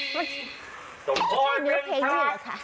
เกลียดใช้เมียบุญต้องต้นเก็บมาไว้